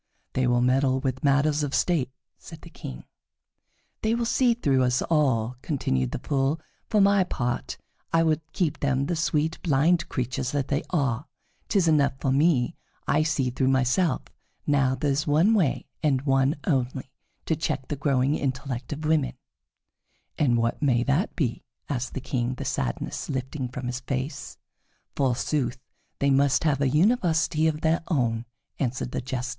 "They will meddle with matters of state," said the King. "They will see through us all," continued the Fool. "For my part, I would keep them the sweet, blind creatures that they are. 'Tis enough for me that I see through myself. Now there is one way, and one only, to check the growing intellect of women." "And what may that be?" asked the King, the sadness lifting from his face. "Forsooth, they must have a university of their own," answered the Jester.